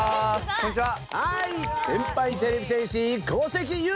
こんにちは。